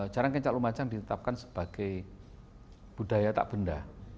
jarang kencang lumajang ditetapkan sebagai budaya tak benda